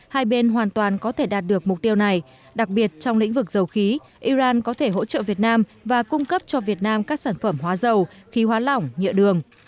hai bên hoàn toàn có thể đạt được mục tiêu này đặc biệt trong lĩnh vực dầu khí iran có thể hỗ trợ việt nam và cung cấp cho việt nam các sản phẩm hóa dầu khí hóa lỏng nhựa đường